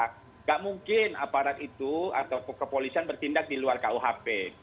tidak mungkin aparat itu atau kepolisian bertindak di luar kuhp